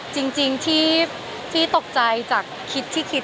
จริงที่ตกใจจากคิดที่คิด